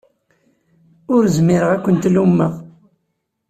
Ur zmireɣ ad kem-lummeɣ.